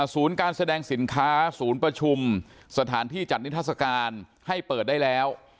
การแสดงสินค้าศูนย์ประชุมสถานที่จัดนิทัศกาลให้เปิดได้แล้ว